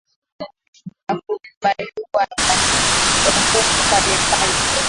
na kukabiliwa na tuhuma mbalimbali